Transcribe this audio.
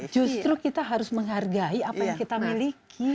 justru kita harus menghargai apa yang kita miliki